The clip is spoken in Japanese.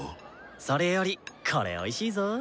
それよりこれおいしいぞ。